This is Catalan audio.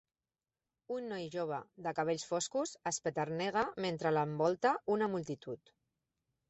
Un noi jove de cabells foscos espeternega mentre l'envolta una multitud.